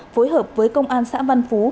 phối hợp với công an xã văn phú